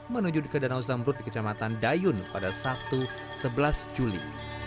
menuju ke danau zamrut di kecamatan dayun pada sabtu sebelas juli